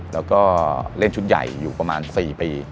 แล้วก็เล่นชุดใหญ่อยู่ประมาณ๔ปี